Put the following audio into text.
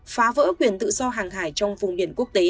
phá vỡ quyền tự do hàng hải trong vùng biển